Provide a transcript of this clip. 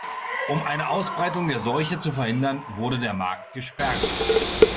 Um eine Ausbreitung der Seuche zu verhindern, wurde der Markt gesperrt.